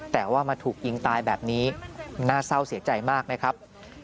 แต่ว่ามาถูกยิงตายแบบนี้น่าเศร้าเสียใจมากนะครับ